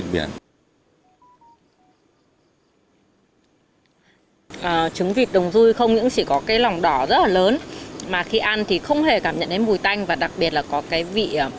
trứng vịt đồng ruy không những chỉ có cái lòng đỏ rất là lớn mà khi ăn thì không hề cảm nhận đến mùi tanh và đặc biệt là có cái vịt đồng ruy